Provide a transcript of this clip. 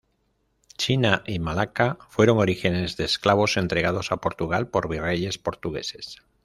China y Malaca fueron orígenes de esclavos entregados a Portugal por virreyes portugueses.